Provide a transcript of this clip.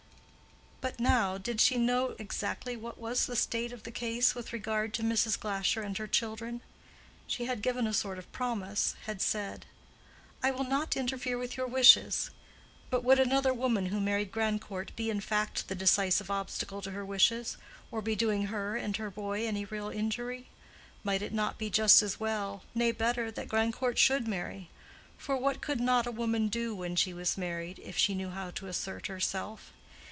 But now—did she know exactly what was the state of the case with regard to Mrs. Glasher and her children? She had given a sort of promise—had said, "I will not interfere with your wishes." But would another woman who married Grandcourt be in fact the decisive obstacle to her wishes, or be doing her and her boy any real injury? Might it not be just as well, nay better, that Grandcourt should marry? For what could not a woman do when she was married, if she knew how to assert herself?